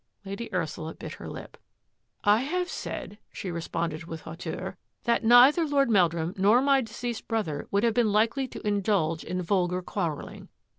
Lady Ursula bit her lip. " I have said," she responded with hauteur, " that neither Lord Mel drum nor my deceased brother would have been likely to indulge in vulgar quarrelling.